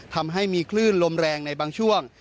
ทำให้มีคลื่นลมแรงในบางช่วง